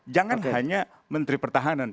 jangan hanya menteri pertahanan